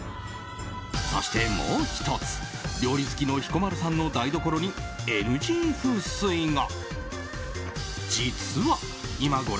そして、もう１つ料理好きの彦摩呂さんの台所にＮＧ風水が。